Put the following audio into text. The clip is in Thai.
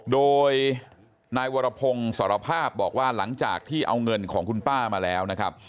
โดยนายวรพงศ์สารภาพบอกว่าหลังจากที่เอาเงินของคุณป้ามาแล้วนะครับ